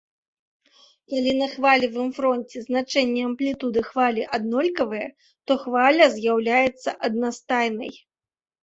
Калі на хвалевым фронце значэнні амплітуды хвалі аднолькавыя, то хваля з'яўляецца аднастайнай.